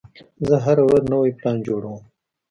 زه هره ورځ نوی پلان جوړوم.